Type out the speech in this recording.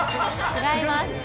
違います。